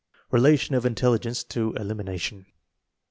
Relation of intelligence to elimination.